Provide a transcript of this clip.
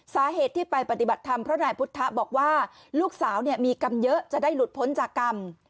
สาเหตุที่ไปปฏิบัติธรรมเพราะนายพุทธะบอกว่าลูกสาวมีกรรมเยอะจะได้หลุดพ้นจากกรรม